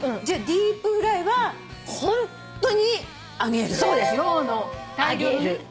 じゃあディープフライはホントに揚げる。